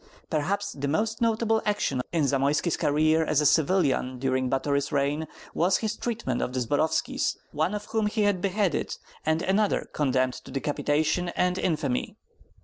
Perhaps the most notable action in Zamoyski's career as a civilian during Batory's reign was his treatment of the Zborovskis, one of whom he had beheaded, and another condemned to decapitation and infamy.